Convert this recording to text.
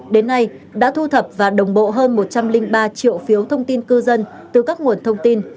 đến nay đã thu thập và đồng bộ hơn một trăm linh ba triệu phiếu thông tin cư dân từ các nguồn thông tin